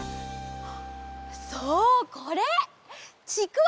そうこれ！ちくわ！